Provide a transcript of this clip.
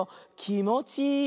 「きもちいい」！